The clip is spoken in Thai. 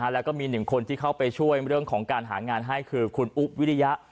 แล้วก็มีหนึ่งคนที่เข้าไปช่วยเรื่องของการหางานให้คือคุณอุ๊บวิริยะ